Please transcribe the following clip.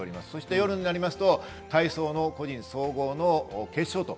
夜になりますと、体操の個人総合の決勝です。